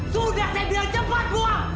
sudah saya bilang cepat dua